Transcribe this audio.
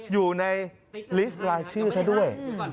อยู่ในลิสต์รายชื่อเธอด้วย